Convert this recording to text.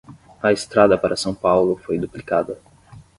A estrada para São Paulo foi duplicada.